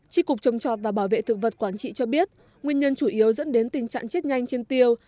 tri cục trồng chọt và bảo vệ thực vật quảng trị cho biết nguyên nhân chủ yếu dẫn đến tình trạng chết nhanh trên tiêu